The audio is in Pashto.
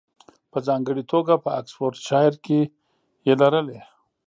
په ځانګړې توګه په اکسفورډشایر کې یې لرلې